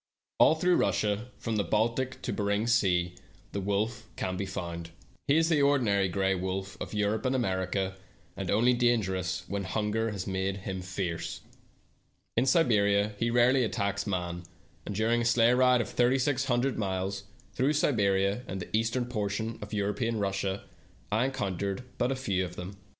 All through Russia, from the Baltic to Behring's sea, the wolf can be found. He is the ordinary gray wolf of Europe and America, and only dangerous when hunger has made him fierce. In Siberia he rarely attacks man, and during a sleigh ride of thirty six hundred miles through Siberia and the eastern portion of European Russia I encountered but few of them.